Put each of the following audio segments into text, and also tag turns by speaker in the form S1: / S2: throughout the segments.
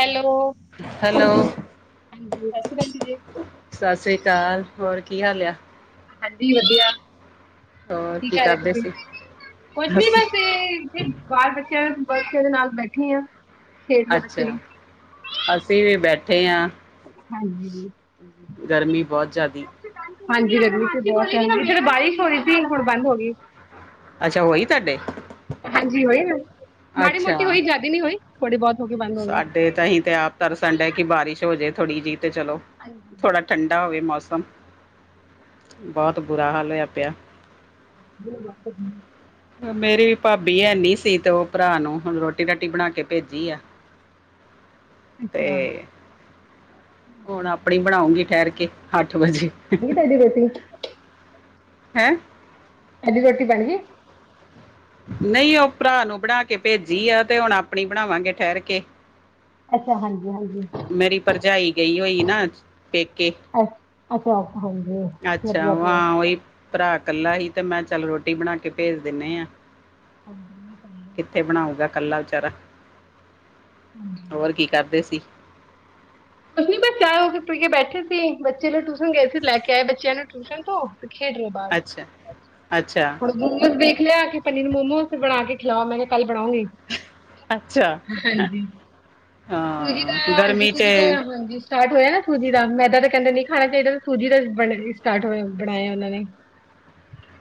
S1: Hello ਓ
S2: hello
S1: ਹਾਂਜੀ ਈ ਸਸਰੀ ਕਾਲ ਵੀਰੇ ਏ
S2: ਸਸ਼ਰੀ ਕਾਲ ਹੋਰ ਕੀ ਹਾਲ ਆ
S1: ਹਾਂਜੀ ਈ ਵਧੀਆ
S2: ਹੋਰ
S1: ਕੀ ਕਰ ਰੇ
S2: ਕਰਦੇ
S1: ਤੁਸੀਂ
S2: ਸੀ
S1: ਕੁਛ ਨੀ
S2: ਅਸੀਂ
S1: ਬਸ ਐ ਫਿਰ ਬਾਲ ਆ ਬੱਚਿਆਂ ਬੱਚਿਆਂ ਦੇ ਨਾਲ ਬੈਠੀ ਆ ਖੇਡ ਰਹੇ
S2: ਅੱਛਾਥ
S1: ਬੱਚੇ ਨੂੰ
S2: ਆ ਅਸੀਂ ਵੀ ਬੈਠੇ ਆ
S1: ਹਾਂਜੀ
S2: ਗਰਮੀ ਬਹੁਤ ਜਾਦੀ ਐ
S1: ਹਾਂਜੀ, ਗ਼ਰਮੀ ਤੇ ਬੋਤ ਆ। ਇਥੇ ਬਾਰਿਸ਼ ਹੋ ਰਹੀ ਸੀ, ਹੁਣ ਬੰਦ ਹੋਗੀ।
S2: ਅੱਛਾ, ਹੋਈ ਤਾਡੇ?
S1: ਹਾਂਜੀ, ਹੋਈ ਨਾ। ਮਾੜੀ ਮੋਟੀ ਹੋਈ, ਜ਼ਿਆਦੀ ਨੀ ਹੋਈ। ਥੋੜੀ ਬਹੁਤ ਹੋ ਕੇ ਬੰਦ ਹੋ ਗਈ
S2: ਸਾਡੇ ਤੇ ਅਹੀ ਤੇ ਆਪ ਤਰਸਨ ਡਏ,
S1: ਅੱਛਾ
S2: ਕਿ
S1: ਬਣ
S2: ਬਾਰਿਸ਼ ਹੋ ਜੇ ਥੋੜ੍ਹੀ ਜੀ ਤੇ ਚਲੋ, ਥੋੜਾ ਠੰਡਾ ਹੋਵੇ ਮੌਸਮ, ਬਹੁਤ ਬੁਰਾ ਹਾਲ ਹੋਇਆ ਪਿਆ।
S1: ਜੇ ਉਹ ਡਾਕਟਰ ਨੂੰ
S2: ਮੇਰੀ ਭਾਬੀ ਹੈਨੀ ਸੀ ਤੇ ਉਹ ਭਰਾ ਨੂੰ ਹੁਣ, ਰੋਟੀ-ਰਾਟੀ ਬਣਾ ਕੇ ਭੇਜੀ ਆ। ਤੇ ਹੁਣ ਆਪਣੀ ਬਣਾਉਂਗੀ, ਠਹਿਰ ਕੇ। ਅੱਠ ਵਜੇ।
S1: ਬਣੀ ਨੀ ਤੁਹਾਡੀ ਰੋਟੀ?
S2: ਹੈਂ।
S1: ਤੁਹਾਡੀ ਰੋਟੀ ਬਣਗੀ?
S2: ਨਹੀਂ ਉਹ ਭਰਾ ਨੂੰ ਬਣਾ ਕੇ ਭੇਜੀ ਆ ਤੇ ਹੁਣ ਆਪਣੀ ਬਣਾਵਾਂਗੇ, ਠਹਿਰ ਕੇ।
S1: ਅੱਛਾ, ਹਾਂਜੀ-ਹਾਂਜੀ।
S2: ਮੇਰੀ ਭਰਜਾਈ ਗਈ ਹੋਈ ਨਾ, ਪੇਕੇ।
S1: ਅ-ਅੱਛਾ, ਹਾਂਜੀ।
S2: ਅੱਛਾ,
S1: ਵਧੀਆ
S2: ਉਹ ਹਾਂ, ਉਹੀ ਭਰਾ ਕੱਲਾ ਹੀ ਤੇ ਮੈਂ ਚੱਲ ਰੋਟੀ ਬਣਾ ਕੇ ਭੇਜ ਦਿੰਨੇ ਆ।
S1: ਆਉਂਦੀ ਨੀ ਪ‌ਈ।
S2: ਕਿੱਥੇ ਬਣਾਉਗਾ ਕੱਲਾ ਵਿਚਾਰਾ।
S1: ਹਾਂਜੀ।
S2: ਹੋਰ ਕੀ ਕਰਦੇ ਸੀ?
S1: ਕੁਛ ਨੀ ਬਸ ਚਾਹ-ਚੂ ਪੀਕੇ ਬੈਠੇ ਸੀ। ਬੱਚੇ ਨੂੰ ਟਿਊਸ਼ਨ ਗਏ ਸੀ ਲੈ ਕੇ ਆਏ ਬੱਚਿਆਂ ਨੂੰ ਟਿਊਸ਼ਨ ਤੋਂ। ਤੇ ਖੇਡ ਰਹੇ ਬਾਹਰ।
S2: ਅੱਛਾ
S1: ਅੱਛਾ,
S2: ਅੱਛਾ
S1: ਹੁਣ ਮੋਮੋਜ਼ ਦੇਖ ਲਿਆ, ਆ ਕੇ ਪਨੀਰ ਮੋਮੋਜ਼ ਬਣਾ ਕੇ ਖਿਲਾ। ਮੈਂ ਕਿਹਾ ਕੱਲ ਬਣਾਉਂਗੀ।
S2: ਅੱਛਾ
S1: ਹਾਂਜੀ। ਤੂਹੀ
S2: ਹਾਂ
S1: ਦਾ ਹਾਂਜੀ
S2: ਗਰਮੀ
S1: ਕੁਜ
S2: 'ਚ
S1: ਹਾਂਜੀ ਸਟਾਟ ਹੋਇਆ ਨਾ ਸੂਜੀ ਦਾ। ਮੈਦਾ ਤੇ ਕਹਿੰਦੇ ਨਹੀਂ ਖਾਣਾ ਚਾਹੀਦਾ ਤੇ ਸੂਜੀ ਦਾ ਬਣ ਇਸਟਾਟ ਹੋਇਆ, ਬਣਾਇਆ ਉਹਨਾਂ ਨੇ।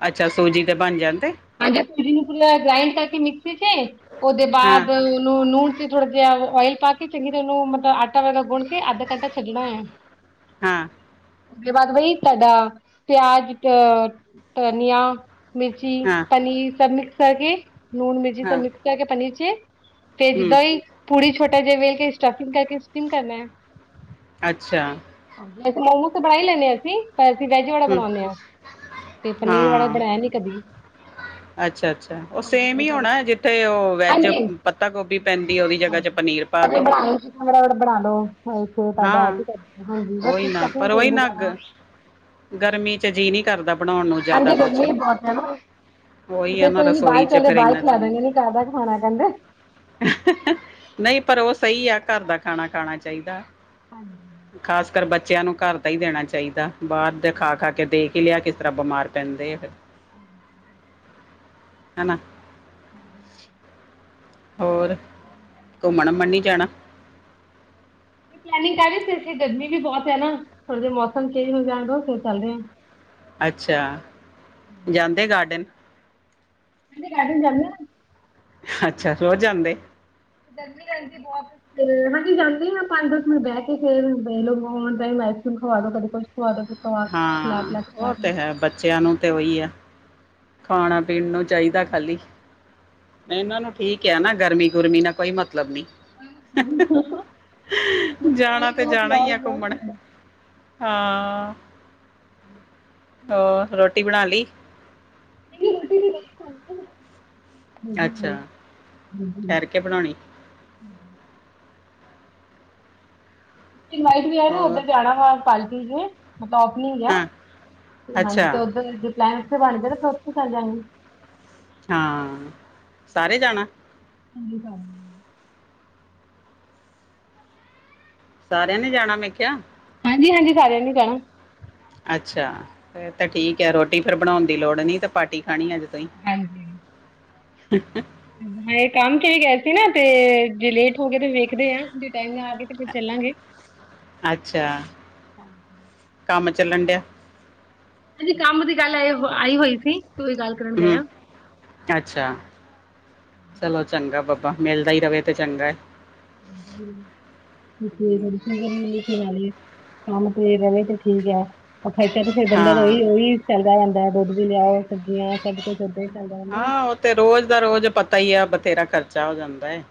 S2: ਅੱਛਾ, ਸੂਜੀ ਤੇ ਬਣ ਜਾਂਦੇ?
S1: ਹਾਂ, ਜਾਂ ਕੁੜੀ ਨੂੰ ਤੂੰ ਲੈਕੇ ਆਏਗਾ ਕੇ ਨਹੀਂ ਓਦੇ 'ਚ ਉਹਦੇ
S2: ਹਾਂ
S1: ਬਾਅਦ ਉਹਨੂੰ ਨੂਣ ਤੇ ਥੋੜਾ ਜਿਹਾ ਓਇਲ ਪਾ ਕੀ ਚੰਗੀ ਤਰ੍ਹਾਂ ਨਾ ਮਤਲਬ ਆਟਾ ਵੈਰਾ ਗੁੰਨ ਕੇ ਅੱਧਾ ਘੰਟਾ ਛੱਡਣਾ ਐਂ।
S2: ਹਾਂ।
S1: ਉਹਦੇ ਬਾਅਦ ਬਹੀ ਤਾਡਾ ਪਿਆਜ ਅ ਧਨੀਆ ਮਿਰਚੀ,
S2: ਹਾਂ
S1: ਪਨੀਰ ਸਬ ਮਿਕਸ ਕਰਕੇ, ਲੂਨ-ਮਿਰਚੀ
S2: ਹਾਂ
S1: ਸਬ ਮਿਕਸ ਕਰਕੇ ਪਨੀਰ 'ਚ ਤੇ
S2: ਹੂੰ
S1: ਜਿਦਾਂ ਈ ਪੂੜੀ ਛੋਟਾ ਜਿਹਾ ਵੇੇਲ ਕੇ, ਸਟਫਿੰਗ ਕਰਕੇ, ਸਟੀਮ ਕਰਨਾ ਆ।
S2: ਅੱਛਾ।
S1: ਵੈਸੇ ਮੋਮੋਸ ਤਾਂ ਬਣਾ ਈ ਲੈਨੇਂ ਅਸੀਂ। ਫ ਅਸੀਂ ਵੈਜ ਵਾਲਾ
S2: ਹੂੰ
S1: ਬਣਾਉਨੇ ਆ ਤੇ ਪਨੀਰ ਵਾਲਾ ਬਣਾਇਆ ਨੀ ਕਦੀ।
S2: ਅੱਛਾ-ਅੱਛਾ। ਉਹ
S1: ਹਾਂਜੀ।
S2: ਸੇਮ ਈ
S1: ਬਿਲਕੁਲ,
S2: ਹੋਣਾ, ਜਿੱਥੇ ਉਹ ਵੈਜ
S1: ਹਾਂਜੀ।
S2: ਪੱਤਾ-ਗੋਭੀ ਪੈਂਦੀ, ਉਹਦੀ ਜਗ੍ਹਾ 'ਚ ਪਨੀਰ ਪਾ ਦੋ।
S1: ਹੁਣ ਫਟਾਫਟ ਬਣਾਲੋ। ਹੋਰ ਇਥੇ ਤੁਹਾਡਾ
S2: ਹਾਂ
S1: ਕੀ ਕਰਦੇ ਆ ਹਾਂਜੀ। ਬਸ
S2: ਉਹੀ
S1: ਇਸ
S2: ਨਾ
S1: ਕਰਕੇ
S2: ਪਰ ਉਹੀ
S1: ਢੇਰੀ ਹੋ
S2: ਨਾ
S1: ਜਾਣਾ।
S2: ਗ- ਗਰਮੀ 'ਚ ਜੀਅ ਨੀ ਕਰਦਾ, ਬਣਾਉਣ ਨੂੰ ਜ਼ਿਆਦਾ
S1: ਹਾਂਜੀ
S2: ਕੁਛ।
S1: ਗਰਮੀ ਬਹੁਤ ਹੈ ਨਾ ਮੈਂ ਕਿਹਾ ਕੋਈ ਨੀ ਬਾਹਰ ਚਲਦੇ ਆ, ਬਾਹਰ ਖਿਲਾਦਾਗੇ। ਨਹੀਂ ਘਾਰ ਬਹਿ ਕੇ ਖਾਣਾ ਕਹਿੰਦਾ।
S2: ਨਹੀਂ ਪਰ ਉਹ ਸਹੀ ਆ, ਘਰ ਦਾ ਖਾਣਾ-ਖਾਣਾ ਚਾਹੀਦਾ।
S1: ਹਾਂਜੀ।
S2: ਖ਼ਾਸ ਕਰ ਬੱਚਿਆਂ ਨੂੰ ਘਰ ਦਾ ਈ ਦੇਣਾ ਚਾਹੀਦਾ। ਬਾਹਰ ਦੇ ਖਾ-ਖਾ ਕੇ ਦੇ ਕਿਲਿਆ ਕਿਸ ਤਰ੍ਹਾਂ ਬਿਮਾਰ ਪੈਂਦੇ ਆ ਫੇਰ।
S1: [inaudible]
S2: ਹਨਾ।
S1: [inaudible]
S2: ਹੋਰ ਘੁੰਮਣ ਮਣ ਨੀ ਜਾਣਾ।
S1: ਪਲੈਨਿੰਗ ਕਰ ਰੀ ਫੇਰ ਓਥੇ ਗਰਮੀ ਵੀ ਬਹੁਤ ਐ ਨਾ, ਥੋੜੇ ਜਿਹੇ ਮੌਸਮ ਚੇਂਜ ਹੋ ਜਾਣਦੋ ਫਿਰ ਚੱਲਦੇ ਐਂ।
S2: ਅੱਛਾ, ਜਾਂਦੇ ਗਾਰਡਨ।
S1: ਕਹਿੰਦੇ ਗਾਰਡਨ ਜਾਂਨੇ ਹੁਣ।
S2: ਅੱਛਾ ਰੋਜ ਜਾਂਦੇ।
S1: ਗਰਮੀਂ ਰੈਦੀ ਬੋਤ। ਤੇ ਹਾਂਜੀ ਜਾਂਦੇ ਮੈਂ ਪੰਜ ਦਸ ਮਿੰਟ ਬਹਿ ਕੇ, ਫੇਰ ਦੇਖ ਲੋ ਟਾਈਮ ਆਈਸਕ੍ਰੀਮ ਖਵਾ ਦੋ ਕਦੇ ਕੁਛ ਖਵਾ ਦੋ ਫੇ
S2: ਹਾਂ ਉਹ ਤਾਂ ਹੈ, ਬੱਚਿਆਂ ਨੂੰ ਤਾਂ ਵੋਈ ਐ। ਖਾਣਾ ਪੀਣ ਨੂੰ ਚਾਹੀਦਾ ਖਾਲੀ, ਇਹਨਾਂ ਨੂੰ ਠੀਕ -ਕ ਨਾ ਗਰਮੀ- ਗੁਰਮੀ ਨਾਲ ਕੋਈ ਮਤਲਬ ਨੀ।
S1: ਦਿਓ
S2: ਜਾਣਾ
S1: ਖਵਾਈ
S2: ਤੇ
S1: ਜਾਓ
S2: ਜਾਣਾ ਈ
S1: ਪਿਆਓ
S2: ਆ
S1: ਜਾਓ
S2: ਘੁੰਮਣ। ਹਾਂ।
S1: [inaudible]
S2: ਹੋਰ ਰੋਟੀ ਬਣਾ ਲੀ। ਅੱਛਾ ਠਹਿਰ
S1: [unintelligible]
S2: ਕੇ ਬਣਾਉਣੀ
S1: ਇਨਵਾਈਟ ਵੀ ਆ ਨਾ
S2: ਹੋਰ
S1: ਉੱਧਰ ਜਾਣਾ ਵਾ ਪਾਲਕੀ ਤੇ। ਮਤਲਬ ਓਪਨਿੰਗ ਆ,
S2: ਹਾਂ
S1: ਹਾਂਜੀ
S2: ਅੱਛਾ
S1: ਉਧਰ ਪਲੈਨਸ ਬਣਗੇ ਫ਼ਿਰ ਉੱਥੇ ਤਾਂ ਜਾਂਵਾਂਗੇ।
S2: ਹਾਂ, ਸਾਰੇ ਜਾਣਾ।
S1: ਹਾਂਜੀ ਸਾਰੇ ਨੇਂ।
S2: ਸਾਰਿਆਂ ਨੇ ਜਾਣਾ ਮੈਂ ਖਿਆ।
S1: ਹਾਂਜੀ- ਹਾਂਜੀ ਸਾਰਿਆਂ ਨੇ ਜਾਣਾਂ।
S2: ਅੱਛਾ, ਫੇਰ ਤਾਂ ਠੀਕ ਐ ਰੋਟੀ ਫੇਰ ਬਣਾਉਣ ਦੀ ਲੋੜ ਨੀ ਤਾਂ ਪਾਰਟੀ ਖਾਣੀ ਅੱਜ [unintelligible]
S1: ਇਹ ਕੰਮ ਤੇ ਗਏ ਸੀ ਨਾ ਤੇ ਜੇ ਲੇਟ ਹੋ ਗਏ ਤੇ ਵੇਖਦੇ ਆ, ਜੇ ਟਾਇਮ ਨਾ ਆਗੇ ਤੇ ਫੇਰ ਚੱਲਾਂਗੇ।
S2: ਅੱਛਾ, ਕੰਮ ਚੱਲਣ ਡਿਆ।
S1: ਹਾਜੀ ਕੰਮ ਦੀ ਗੱਲ ਆਈ- ਆਈ ਹੋਈ ਸੀ ਕੋਈ ਗੱਲ ਕਰਨ ਗਏ
S2: ਹੂੰ।
S1: ਆ
S2: ਅੱਛਾ, ਚਲੋ ਚੰਗਾ ਬਾਬਾ ਮਿਲਦਾ ਈ ਰਵੇ ਤੇ ਚੰਗਾ ਏ।
S1: [unintelligible] [unintelligible] ਰਵੇ ਤੇ ਠੀਕ ਆ। ਖਰਚਾ ਤੇ ਫੇਰ ਬੰਦਾ
S2: ਹਾਂ
S1: ਉਹੀ- ਉਹੀ ਚਲਦਾ ਰਹਿੰਦਾ, ਦੁੱਧ ਵੀ ਲਿਆਓ ਸਬਜੀਆਂ ਸਭ ਕੁੱਝ ਓਦਾ ਈ
S2: ਹਾਂ ਉਹ ਤੇ ਰੋਜ਼ ਦਾ ਰੋਜ਼ ਪਤਾ ਈ ਆ, ਬਥੇਰਾ ਖਰਚਾ ਹੋ ਜਾਂਦਾ ਏ।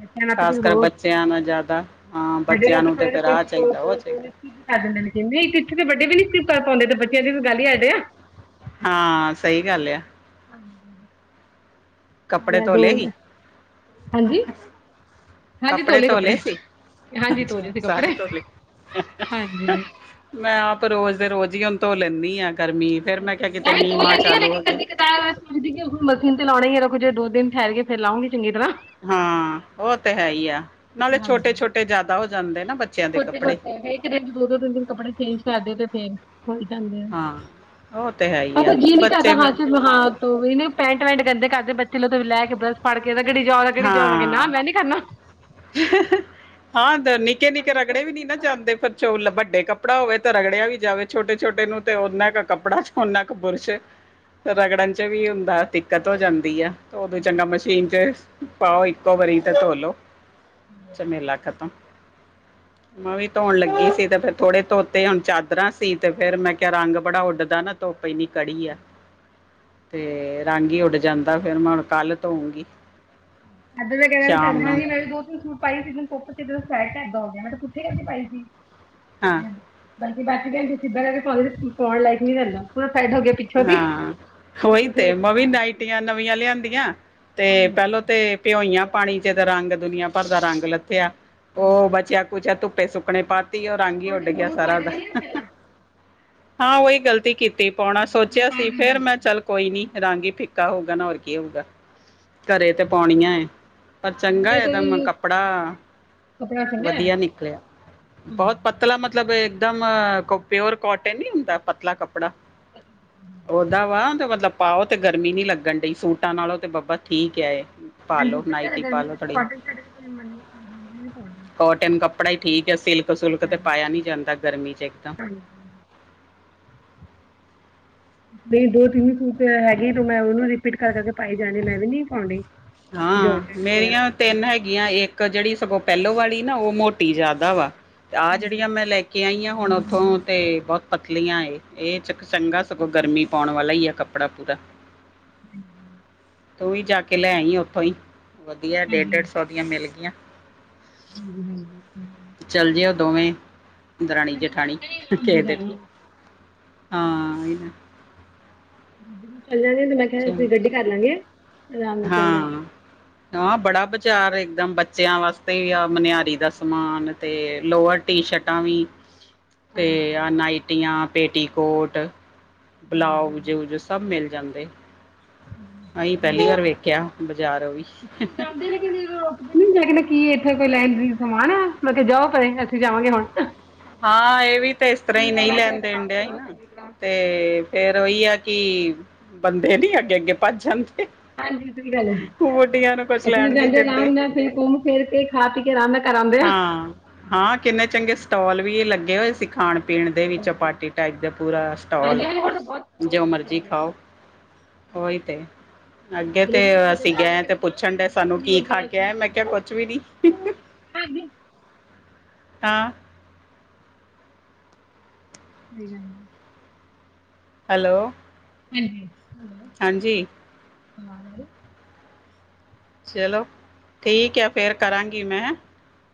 S1: ਬੱਚਿਆਂ ਨਾਲ ਤੇ
S2: ਖ਼ਾਸ
S1: ਫਿਰ
S2: ਕਰ
S1: ਹੋਰ
S2: ਬੱਚਿਆਂ ਨਾ ਜ਼ਿਆਦਾ, ਹਾਂ
S1: ਵੱਡੇ ਨਾਲ
S2: ਬੱਚਿਆਂ
S1: ਤਾਂ
S2: ਨੂੰ ਤੇ
S1: ਥੋੜਾ ਜਿਹਾ
S2: ਫੇਰ ਆਹ
S1: ਕੁਛ ਕੋਈ
S2: ਚਾਹੀਦਾ ਉਹ ਚਾਹੀਦਾ।
S1: [unintelligible] ਕਰ ਪਾਉਂਦੇ ਬੱਚਿਆਂ ਦੀ ਤੇ ਗੱਲ ਈ ਅੱਡ ਆ।
S2: ਹਾਂ, ਸਹੀ ਗੱਲ ਆ।
S1: ਹਾਂਜੀ।
S2: ਕੱਪੜੇ ਧੋਲੇ ਹੀ।
S1: ਹਾਂਜੀ ਹਾਂਜੀ ਧੋ
S2: ਕੱਪੜੇ
S1: ਲਏ
S2: ਧੋਲੇ ਸੀ,
S1: ਹਾਂਜੀ ਧੋ
S2: ਅੱਛਾ
S1: ਲਏ ਸੀ
S2: ਸਾਰੇ
S1: ਕੱਪੜੇ
S2: ਧੋਲੇ।
S1: ਹਾਂਜੀ,
S2: ਮੈਂ ਆਪ ਰੋਜ਼ ਦੇ ਰੋਜ਼ ਈ ਹੁਣ ਧੋ ਲੇਨੀ ਆ ਗਰਮੀ ਫਿਰ
S1: ਹਾਂਜੀ,
S2: ਕਿਹਾ ਕਿਤੇ
S1: ਮੈਂ ਵੀ
S2: ਮੀਂਹ
S1: ਤੋ
S2: ਮਾ
S1: ਲੈਂਦੀ ਆ
S2: ਚਾਲੂ ਹੋ
S1: ਲ਼ੇਕਿਨ
S2: ਗਿਆ
S1: ਕਦੀ- ਕਦੀਂ [unintelligible] ਤੇ ਲਾਉਣੀ ਹੀ ਰੁਕਜੇ ਦੋ ਦਿਨ ਠਹਿਰ ਕੇ ਫੇਰ ਲਾਂਉਗੀ ਚੰਗੀ ਤਰ੍ਹਾਂ।
S2: ਹਾਂ ਉਹ ਤੇ ਹੈ ਹੀ ਆ ਨਾਲੇ ਛੋਟੇ- ਛੋਟੇ ਜ਼ਿਆਦਾ ਹੋ ਜਾਂਦੇ ਨਾ ਬੇ-
S1: ਛੋਟੇ- ਛੋਟੇ ਇੱਕ ਦਿਨ ਦੋ- ਦੋ ਤਿੰਨ- ਤਿੰਨ ਕੱਪੜੇ ਚੇਂਜ ਕਰਦੇ ਤੇ ਫੇਰ ਹੋ ਹੀ ਜਾਂਦੇ ਆ।
S2: ਹਾਂ ਉਹ ਤੇ ਹੈ ਹੀ
S1: ਹਾਂ ਫੇਰ
S2: ਆ
S1: ਜੀ ਨੀ ਕਰਦਾ
S2: ਬੱਚੇ ਫਿਰ
S1: ਹਾਂ ਸ ਹਾਂ ਤੂੰ ਇਹਨ ਪੈਂਟ ਵੈਂਟ ਗੰਦੇ ਕਰਦੇ ਬੱਚੇ ਲੈ ਤ ਵੀ ਲੈ ਦੋ। ਪੜ ਕੇ ਦੋ ਜੇਹੜੀ ਜਾਓਦਾ ਜੋਹੜੀ ਜੋਬ ਲਗੇ ਨਾ
S2: ਹਾਂ
S1: ਮੈਂ ਨੀ ਕਰਨਾ।
S2: ਹਾਂ ਨਿੱਕੇ- ਨਿੱਕੇ ਰਗੜੇ ਵੀ ਨੀ ਨਾ ਜਾਂਦੇ ਫੇਰ ਚੋ ਵੱਡੇ ਕੱਪੜ- ਕੱਪੜਾ ਹੋਵੇ ਤਾਂ ਰਗੜਿਆ ਵੀ ਜਾਵੇ ਛੋਟੇ- ਛੋਟੇ ਨੂੰ ਤੇ ਓਨਾ ਕੁ ਕੱਪੜਾ ਚ ਓਨਾ ਕੁ ਬੁਰਸ਼। ਰਗੜਨ ਚ ਵੀ ਹੁੰਦਾ ਦਿੱਕਤ ਹੋ ਜਾਂਦੀ ਐ। ਉਦੋ ਚੰਗਾ ਮਸ਼ੀਨ ਚ ਪਾਓ ਇੱਕੋ ਵਾਰੀ ਤੇ ਧੋਲੋ। ਚਮੇਲਾ ਖਤਮ। ਮੈਂ ਵੀ ਧੋਣ ਲੱਗੀ ਸੀ ਤੇ ਫਰ ਥੋੜੇ ਧੋਤੇ ਹੁਣ ਚਾਦਰਾਂ ਸੀ ਤੇ ਫੇਰ ਮੈਂ ਕਿਹਾ ਰੰਗ ਬੜਾ ਉੱਡਦਾ ਨਾ। ਧੁੱਪ ਹੀ ਨੀ ਕੜੀ ਆ, ਤੇ ਰੰਗ ਹੀ ਉੱਡ ਜਾਂਦਾ ਫੇਰ ਮੈਂ ਹੁਣ ਕੱਲ ਧੋਂਗੀ।
S1: ਅੱਧ ਮੈ ਕਹਿਣਾ ਵੀ ਟੈਂਸ਼ਨ ਨਹੀਂ ਲੈਣੀ ਦੋ- ਤਿੰਨ ਸੂਟ। ਪਾਈ ਸੀ ਤੈਨੂੰ ਕੁੱਪ [unintelligible] ਤੇ ਦੋਂ ਹੋ ਗਿਆ ਮੈਂ ਤੇ ਪੁੱਠੇ ਕਰਕੇ ਪਾਈ ਸੀ।
S2: ਹਾਂ
S1: ਬਾਕੀ ਬਾਕੀ ਕ ਸਥਾਰਈ ਪਣ ਲਾਈਕ ਨ ਚ ਪਰਾ ਸ ਢ [unintelligible]
S2: ਹਾਂ ਉਹੀ ਤੇ ਮੈ ਵੀ
S1: ਹਾਂਜੀ
S2: ਨਾਈਟੀਆਂ ਨਵੀਆਂ ਲਿਆਂਦੀਆਂ ਤੇ,
S1: ਹਾਂਜੀ
S2: ਪਹਿਲੋ- ਤੇ ਪਿਓਈਆਂ ਪਾਣੀ ਚ ਤਾਂ ਰੰਗ ਦੁਨੀਆਂ ਭਰ ਦਾ ਰੰਗ ਲੱਥਿਆ, ਉਹ ਬਚਿਆ ਕੁਛਿਆ ਧੁੱਪੇ ਸੁਖ- ਣੇ ਪਾਤੀ ਉਹ ਰੰਗ ਹੀ
S1: ਉਹਦੇ
S2: ਉੱਡ ਗਿਆ
S1: ਨੂੰਹ ਪਾ
S2: ਸਾਰਾ ਓਦਾ।
S1: ਜਿਹੜੇ ਨਾ ਪਹਿਲਾਂ
S2: ਹਾਂ ਉਹੀ ਗ਼ਲਤੀ ਕੀਤੀ ਪਾਉਣਾ
S1: ਹਾਂਜੀ ਨੂੰਹ
S2: ਸੋਚਿਆ
S1: ਪਾ
S2: ਸੀ ਫੇਰ
S1: ਹਾਂਜੀ
S2: ਮੈਂ ਚੱਲ- ਕੋਈ ਨੀ ਰੰਗ ਹੀ ਫਿੱਕਾ ਹੋਊਗਾ ਨਾ ਹੋਰ ਕੀ ਹੋਊਗਾ। ਘਰੇ ਤੇ ਪਾਉਣੀਆਂ ਏ, ਪਰ ਚੰਗਾ
S1: ਮੇਰੇ ਕੋਲ ਵੀ
S2: ਇਕਦਮ
S1: ਨਿਊ
S2: ਕੱਪੜਾ।
S1: ਕੱਪੜਾ ਸੀਗਾ
S2: ਵਧੀਆ ਨਿਕਲਿਆ ਬਹੋਤ।
S1: ਹਾਂਜੀ
S2: ਪਤਲਾ ਮਤਲਬ ਇੱਕਦਮ ਪਿਓਰ ਕੋਟਨ ਨਹੀਂ ਹੁੰਦਾ ਪਤਲਾ ਕੱਪੜਾ।
S1: ਹ
S2: ਪਰ ਓਦਾ ਵਾ ਤੇ ਮਤਲਬ ਪਾਓ ਤੇ ਗਰਮੀ ਨੀ ਲੱਗਣ ਡਈ ਸੂਟਾਂ ਨਾਲੋਂ ਤੇ ਬਾਬਾ ਠੀਕ ਹੈ। ਪਾ
S1: ਹਾਂਜੀ
S2: ਲਓ
S1: ਸਹੀ ਗੱਲ ਆ
S2: ਨਾਈਟੀ ਪਾ
S1: ਗਰਮੀ
S2: ਲਓ
S1: ਚ ਤਾਂ
S2: ਥੋੜੀ
S1: ਕੋਟਨ ਕੋ [unintelligible]
S2: ਕੋਟਨ ਕੱਪੜਾ ਹੀ ਠੀਕ ਹੈ ਸਿਲਕ ਸੁਲਕ ਤੇ ਪਾਇਆ ਨੀ ਜਾਂਦਾ ਗਰਮੀ ਚ ਇਕ ਤਾ।
S1: ਨਹੀਂ ਦੋ- ਤਿੰਨ ਸੂਟ ਹੈਗੇ ਤ ਮੈਂ ਉਹਨੂੰ ਰਿਪੀਟ ਕਰ-ਕਰ ਕੇ ਪਾਏ ਜਾਣੀ ਮੈਂ ਵੀ ਨਹੀਂ ਪਾਉਂ ਡੀ।
S2: ਹਾਂ ਮੇਰੀਆਂ ਤਿੰਨ ਹੈਗੀ- ਆ ਇੱਕ ਜਿਹੜੀ ਸਗੋਂ ਪਹਿਲੋਂ ਵਾਲੀ ਨਾ ਉਹ ਮੋਟੀ ਜ਼ਿਆਦਾ ਵਾ, ਤੇ ਆਹ ਜਿਹੜੀਆਂ ਮੈਂ ਲੈ- ਕੇ ਆਈਆਂ ਹੁਣ ਉੱਥੋਂ ਤੇ ਬਹੋਤ ਪਤਲੀਆਂ ਇਹ ਚ ਚੰਗਾ ਸਗੋਂ ਗਰਮੀ ਪਾਉਣ ਵਾਲਾ ਹੀ ਆ ਕੱਪੜਾ। ਪਣਾ ਪੂਰਾ। ਤੂੰ ਵੀ ਜਾ ਕੇ ਲੈਈ ਉੱਥੋਂ ਹੀ, ਵਧੀਆ ਡੇਢ-
S1: ਹਾਂਜੀ
S2: ਡੇਢ ਸੌ ਦੀਆਂ ਮਿਲ ਗਈਆਂ।
S1: ਹਾਂਜੀ
S2: ਚੱਲ ਜਿਓ ਦੋਵੇਂ। ਅੰ ਦਰਾਣੀ ਜੇਠਾਣੀ ਕਿਹੇ ਦਿਨ,
S1: ਹਾਂਜੀ
S2: ਹਾਂ।
S1: ਗੱਡੀ ਨੂੰ ਚੱਲ ਜਾਂਗੇ ਤੇ ਮੈਂ ਕਿਹਾ ਦੀ
S2: ਚਲੋ
S1: ਸੀਂ ਗੱਡੀ ਕਰ ਲਾਂਗੇ। ਆਰਾਮ ਨਾਲ ਚੱਲ
S2: ਹਾਂ। ਹਾਂ ਬੜਾ ਵਿਚਾਰ ਇੱਕਦਮ ਬੱਚਿਆਂ ਵਾਸਤੇ ਵੀ ਆ ਮਨਿਆਰੀ ਦਾ ਸਮਾਨ ਤੇ ਲੋਅਰ- ਟੀ ਸ਼ਰਟਾਂ ਵੀ। ਤੇ ਆ ਨਾਈਟੀਆਂ, ਪੇਟੀਕੋਟ, ਬਲਾਉਜ ਜੋ- ਸਭ ਮਿਲ ਜਾਂਦੇ। ਆਹੀਂ ਪਹਿਲੀ ਵਾਰ ਵੇਖਿਆ, ਬਾਜ਼ਾਰ ਓ ਵੀ।
S1: ਅਸੀ ਜਾਂਦੇ ਨੇ ਕਿ- ਕਹਿੰ ਕੀ ਇੱਥੇ ਕੋਈ ਲੈਣ ਦੀ ਸਮਾਨ ਆ ਲੋਕੀ ਜਾਓ ਪ ਅਸੀਂ ਜਾਵਾਂਗੇ ਹਾਂ।
S2: ਹਾਂ ਇਹ ਵੀ ਤਾਂ ਇਸ ਤਰਾਂ ਹੀ ਨਹੀਂ
S1: ਤੇ
S2: ਲੈਣ ਦੇਣ
S1: ਕੰਮ
S2: ਡਿਆ ਹੀ
S1: ਕਰੋ
S2: ਨਾ।
S1: ਚੰਗੀ ਤਰ੍ਹਾਂ
S2: ਤੇ ਫੇਰ ਉਹੀ ਆ ਕਿ ਬੰਦੇ ਨੀ ਅੱਗੇ- ਅੱਗੇ ਭੱਜ ਜਾਂਦੇ।
S1: ਹਾਂਜੀ ਕੀ ਗੱਲ ਐ
S2: ਹੋਣ ਨਈ ਯਾਰਾ ਕੁਛ
S1: ਅੱਸੀ ਵੀ
S2: ਲੈਣ ਨੀ
S1: ਜਾਂਦੇ, ਆਰਾਮ
S2: ਦਿੰਦੇ
S1: ਨਾਲ ਫਿਰ ਘੁੰਮ ਫਿਰ ਕੇ, ਖਾ ਪੀ ਕੇ ਆਰਾਮ ਨਾਲ ਘਾਰ ਆਉਂਦੇ ਆਂ
S2: ਹਾਂ, ਹਾਂ ਕਿੰਨੇ ਚੰਗੇ ਸਟੋਲ ਵੀ ਲੱਗੇ ਹੋਏ ਸੀ ਖਾਣ ਪੀਣ ਦੇ ਵੀ ਚਪਾਟੀ ਟਾਈਕ ਦਾ ਪੂਰਾ ਸਟਾਲ,
S1: ਹਾਂਜੀ ਹਾਂਜੀ ਹੁਣ ਤਾਂ ਬਹੁਤ
S2: ਜੋ ਮਰਜ਼ੀ ਖਾਓ ਔ ਹੀ ਤੇ ਅੱਗੇ ਤੇ
S1: ਲੋਕ ਨੀ ਰੁਕਦੇ
S2: ਅਸੀਂ
S1: ਨਾ ਇਹ
S2: ਗਏ ਤੇ
S1: ਕਹਿੰਦੇ ਜਾਓ
S2: ਪੁੱਛਣ ਡਏ
S1: ਤੁਸੀਂ
S2: ਸਾਨੂੰ,
S1: ਕਿੰਨੀ
S2: ਕੀ
S1: ਵਾਰ
S2: ਖਾ
S1: ਜਾਓ
S2: ਕੇ ਆਯੇ ਮੈਂ ਕਿਹਾ ਕੁਛ ਵੀ ਨੀ
S1: ਹਜੀ [inaudible]
S2: ਹਾਂ
S1: ਸਹੀ ਗੱਲ
S2: ਹੈਲੋ
S1: ਹਾਂਜੀ ਹੈਲੋ
S2: ਹਾਂਜੀ
S1: ਹੀ [inaudible]
S2: ਚਲੋ ਠੀਕ ਹੈ ਫੇਰ ਕਰਾਂਗੀ ਮੈਂ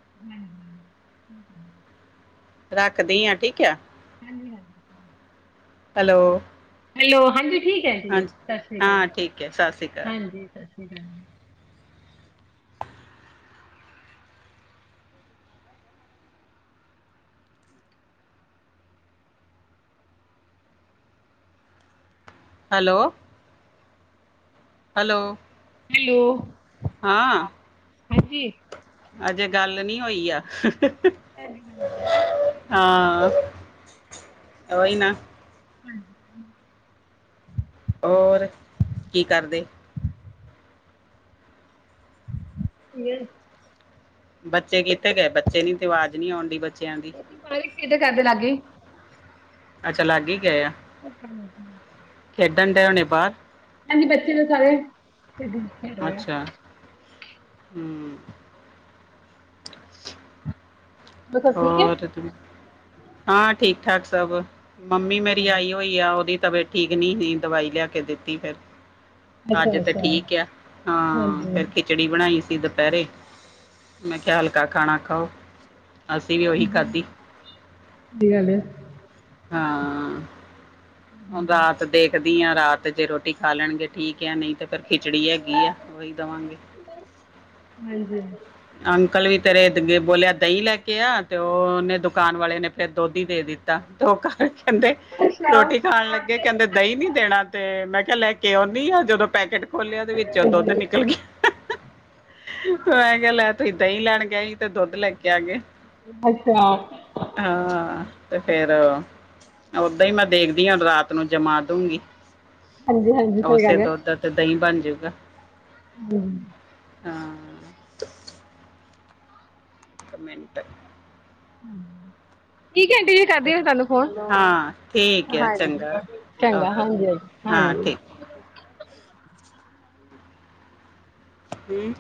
S1: ਹਮ [inaudible]
S2: ਰੱਖਦੀ ਹਾਂ ਠੀਕ ਹੈ
S1: ਹਾਂਜੀ ਹਾਂਜੀ
S2: ਹੈਲੋ
S1: ਹੈਲੋ ਹਾਂਜੀ ਠੀਕ ਹੈ ਜੀ,
S2: ਹਾਂਜੀ
S1: ਸਤਿ ਸ਼੍ਰੀ ਅਕਾਲ
S2: ਹਾਂ ਠੀਕ ਹੈ ਸਤਿ ਸ਼੍ਰੀ ਅਕਾਲ
S1: ਹਾਂਜੀ ਸਤਿ ਸ੍ਰੀ ਅਕਾਲ।
S2: ਹੈਲੋ? ਹੈਲੋ?
S1: ਹੈਲੋ?
S2: ਹਾਂ।
S1: ਹਾਂਜੀ।
S2: ਅਜੇ ਗੱਲ ਨਹੀਂ ਹੋਈ ਆ। ਹਾਂ ਉਹੀ ਨਾ।
S1: ਹਾਂ।
S2: ਹੋਰ ਕੀ ਕਰਦੇ?
S1: [unintelligible]
S2: ਬੱਚੇ ਕਿਥੇ ਗਏ ਬੱਚੇ ਨੀ ਤੇ, ਆਵਾਜ਼ ਨੀ ਆਉਣ ਦੀ ਬੱਚਿਆਂ ਦੀ।
S1: ਪਰ ਕਿਦੇ ਘਰ ਦੇ ਲਾਗੇ।
S2: ਅੱਛਾ ਲਾਗੇ ਹੀ ਗਏ ਆ।
S1: ਹਾਂਜੀ।
S2: ਖੇਡਣ ਦੇ ਹੋਣੇ ਬਾਹਰ।
S1: ਹਾਂਜੀ ਬੱਚੇ ਨੇ ਸਾਰੇ ਖੇਡਣ ਦੇ ਨੇ।
S2: ਹੂ
S1: ਹੋਰ ਸਭ ਠੀਕ ਹੈ
S2: ਹਾਂ ਏ ਤਾਂ ਤੁ ਹਾਂ ਠੀਕ ਠਾਕ ਸਭ, ਮੰਮੀ ਮੇਰੀ ਆਈ ਹੋਈ ਆ ਉਹਦੀ ਤਬੀਅਤ ਠੀਕ ਨੀ ਸੀ, ਦਵਾਈ ਲਿਆ ਕੇ ਦਿੱਤੀ ਫੇਰ।
S1: ਅੱਛਾ
S2: ਅੱਜ ਤੇ
S1: ਅੱਛਾ
S2: ਠੀਕ ਐ,
S1: ਹਾਂਜੀ
S2: ਹਾਂ ਫਿਰ ਕੀ ਖਿਚੜੀ ਬਣਾਈ ਸੀ ਦੁਪਹਿਰੇ, ਮੈਂ ਕਿਹਾ ਹਲਕਾ ਖਾਣਾ ਖਾਓ। ਅਸੀਂ ਵੀ ਉਹੀ ਖਾਧੀ।
S1: ਕੀ ਗੱਲ ਐ
S2: ਹਾਂ। ਰਾਤ ਦੇਖਦੀ ਆਂ ਰਾਤ, ਜੇ ਰੋਟੀ ਖਾ ਲੈਣਗੇ ਠੀਕ ਆ। ਨਹੀਂ ਤੇ ਫਿਰ ਖਿਚੜੀ ਹੈਗੀ ਆ, ਉਹੀ ਦੇਵਾਂਗੇ।
S1: ਹਾਂਜੀ
S2: ਅੰਕਲ ਵੀ ਤੇਰੇ ਬੋਲਿਆ ਦਹੀਂ ਲੈ ਕੇ ਆ, ਤੇ ਉਹਨੇ ਦੁਕਾਨ ਵਾਲੇ ਨੇ ਫਿਰ ਦੁੱਧੀ ਦੇ ਦਿੱਤੀ। ਦਾਤਰੋ ਕਾਜ। ਕਹਿੰਦੇ
S1: ਅੱਛਾ।
S2: ਰੋਟੀ ਖਾਣ ਲੱਗੇ
S1: ਹਾਂਜੀ,
S2: ਕਹਿੰਦੇ ਦਹੀਂ ਨੀ ਦੇਣਾ, ਤੇ ਮੈਂ ਕਿਹਾ ਲੈਕੇ ਆਓ, ਨਹੀਂ ਹੈ ਜਦੋਂ ਪੈਕੇਟ ਖੋਲਿਆ ਉਹਦੇ ਵਿੱਚ ਦੁੱਧ ਨਿਕਲ ਗਿਆ। ਮੈਂ ਕਿਹਾ ਲੈ ਤੁਸੀ ਦਹੀਂ ਲੈਣ ਗਏ ਤੇ ਦੁੱਧ ਲੈ ਕੇ ਆ ਗਏ।
S1: ਅੱਛਾ।
S2: ਹਾਂ ਤੇ ਫੇਰ ਓਦਾਂ ਹੀ ਮੈਂ ਦੇਖਦੀ ਰਾਤ ਨੂੰ ਜਮਾ ਦਊਗੀ,।
S1: ਹਾਂਜੀ ਹਾਂਜੀ ਸਹੀ
S2: ਉਸੇ
S1: ਗੱਲ ਹੈ।
S2: ਦੁੱਧ ਤੇ ਦਹੀਂ ਬਣ ਜੂਗਾ।
S1: ਹਮ।
S2: ਹਾਂ। ਇੱਕ ਮਿੰਟ
S1: ਕੀ ਘੰਟੇ ਚ ਕਰਦੀ ਤੁਹਾਨੂੰ ਫੋਨ,
S2: ਹਾਂ ਠੀਕ ਹੈ
S1: ਹਾਂਜੀ
S2: ਚੰਗਾ
S1: ਚੰਗਾ
S2: ਓਕੇ
S1: ਹਾਂਜੀ
S2: ਹਾਂ
S1: -ਹਾਂਜੀ -ਹਾਂਜੀ।
S2: ਠੀਕ ਹਮ।